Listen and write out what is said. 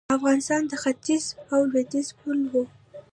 افغانستان د ختیځ او لویدیځ پل و